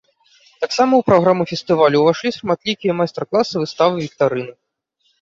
Таксама ў праграму фестывалю ўвайшлі шматлікія майстар-класы, выставы, віктарыны.